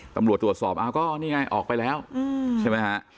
ทำรับตรวจสอบอะไรก็ออกไปแล้วมใช่ไหมคะ